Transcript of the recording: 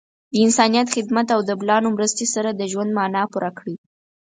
د انسانیت خدمت او د بلانو مرستې سره د ژوند معنا پوره کړئ.